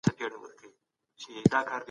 هغې خپل وخت د مړینې د څېړنې لپاره ځانګړی کړ.